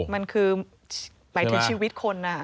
มันคือหมายถึงชีวิตคน